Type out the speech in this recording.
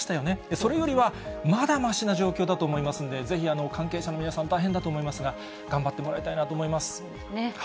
それよりは、まだましな状況だと思いますんで、ぜひ関係者の皆さん、大変だと思いますが、頑張ってもらいたいなと思います。